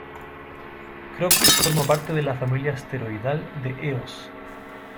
Crocus forma parte de la familia asteroidal de Eos.